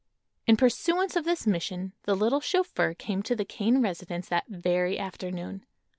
In pursuance of this mission the little chauffeur came to the Kane residence that very afternoon.